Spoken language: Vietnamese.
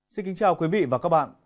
xin kính chào quý vị và các bạn